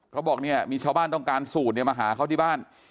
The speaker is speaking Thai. เค้าบอกมีช้าบ้านต้องการสูตรมาหาเค้าที่บ้าน